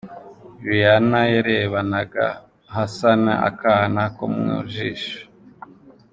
Rihanna yarebanaga Hassan akana ko mu jisho.